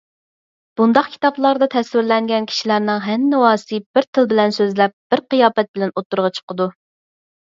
بۇنداق كىتابلاردا تەسۋىرلەنگەن كىشىلەرنىڭ ھەننىۋاسى بىر تىل بىلەن سۆزلەپ، بىر قىياپەت بىلەن ئوتتۇرىغا چىقىدۇ.